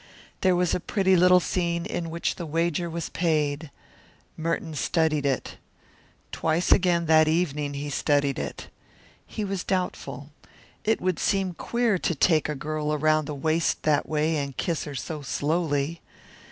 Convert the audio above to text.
There was a pretty little scene in which the wager was paid. Merton studied it. Twice again, that evening, he studied it. He was doubtful. It would seem queer to take a girl around the waist that way and kiss her so slowly.